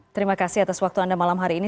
terima kasih atas waktu anda malam hari ini